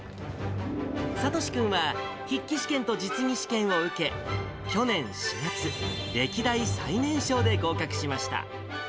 聡志君は筆記試験と実技試験を受け、去年４月、歴代最年少で合格しました。